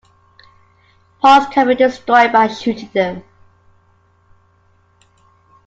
Pods can be destroyed by shooting them.